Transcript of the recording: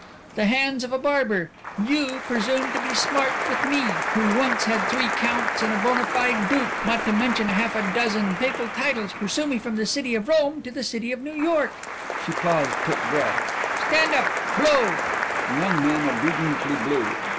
The hands of a barber you presume to be smart with me, who once had three counts and a bona fide duke, not to mention half a dozen papal titles pursue me from the city of Rome to the city of New York." She paused, took breath. "Stand up! Blow'!" The young man obediently blew.